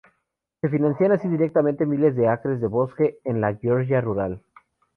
Se financian así directamente miles de acres de bosque en la Georgia rural.